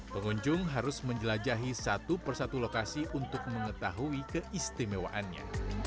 pengunjung harus menjelajahi satu persatu lokasi untuk mengetahui keistimewaannya